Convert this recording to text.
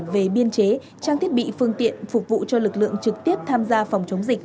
về biên chế trang thiết bị phương tiện phục vụ cho lực lượng trực tiếp tham gia phòng chống dịch